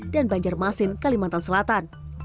dan banjarmasin kalimantan selatan